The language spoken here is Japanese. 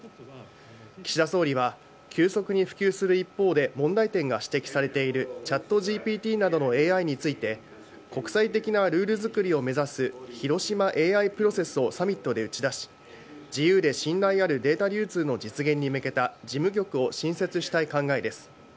岸田総理は急速に普及する一方で、問題点が指摘されているチャットＧＰＴなどのＡＩについて、国際的なルール作りを目指す広島ＡＩプロセスをサミットで打ち出し、自由で信頼あるデータ流通の実現に向けた事務局を新設したい考えです。